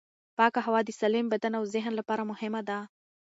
پاکه هوا د سالم بدن او ذهن لپاره مهمه ده.